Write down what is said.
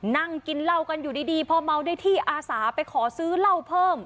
นั่งกินเหล้ากันอยู่ดีพอเมาได้ที่อาสาไปขอซื้อเหล้าเพิ่ม